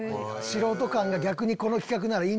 素人感が逆にこの企画ならいい。